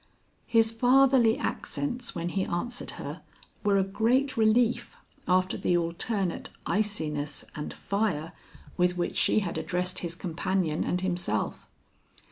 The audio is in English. His fatherly accents when he answered her were a great relief after the alternate iciness and fire with which she had addressed his companion and himself.